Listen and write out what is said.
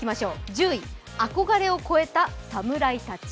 １０位、憧れを超えた侍たち。